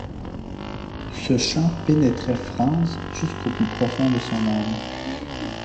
Ce chant pénétrait Franz jusqu’au plus profond de son âme...